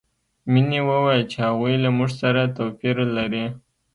مینې وویل چې هغوی له موږ سره توپیر لري